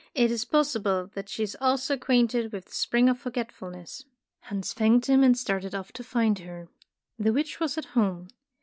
It is possi ble that she is also acquainted with the Spring of Forgetfulness.'^ Hans thanked him and started off to find her. The witch was at home.